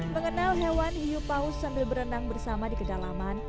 mengenal hewan hiu paus sambil berenang bersama di kedalaman